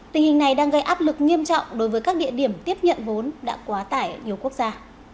tình hình này đang gây áp lực nghiêm trọng đối với các địa điểm tiếp nhận vốn đã quá tải ở nhiều quốc gia